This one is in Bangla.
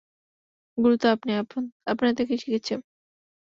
গুরু তো আপনি, আপনার থেকেই শিখছি আমি।